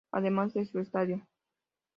Además de su Estadio.